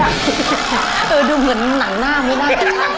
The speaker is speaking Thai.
อยากคิดดูเหมือนหนังหน้าไม่ได้